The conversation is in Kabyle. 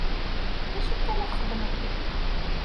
D acu akka i la txeddmeḍ din?